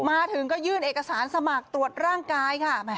มาถึงก็ยื่นเอกสารสมัครตรวจร่างกายค่ะ